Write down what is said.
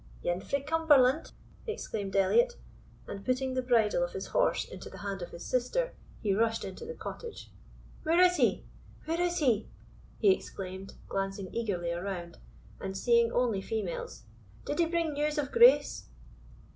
"Ane frae Cumberland!" exclaimed Elliot; and putting the bridle of his horse into the hand of his sister, he rushed into the cottage. "Where is he? where is he!" he exclaimed, glancing eagerly around, and seeing only females; "Did he bring news of Grace?"